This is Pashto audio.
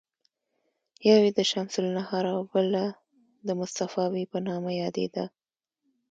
یوه یې د شمس النهار او بله د مصطفاوي په نامه یادېده.